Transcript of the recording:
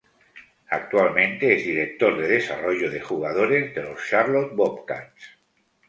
Actualmente es Director de Desarrollo de Jugadores de los Charlotte Bobcats.